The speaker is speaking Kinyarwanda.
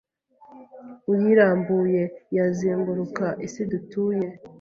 uyirambuye yazenguruka isi dutuye